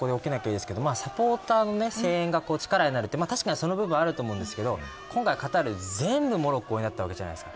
たしかにサポーターの声援が力になるって確かにあると思いますが今回カタールは全部モロッコになったわけじゃないですか。